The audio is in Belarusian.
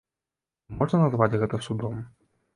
Ці можна назваць гэта судом?